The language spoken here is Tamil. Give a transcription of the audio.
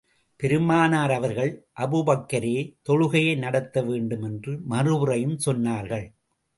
பெருமானார் அவர்கள், அபூபக்கரே தொழுகையை நடத்த வேண்டும் என்று மறுமுறையும் சொன்னார்கள்.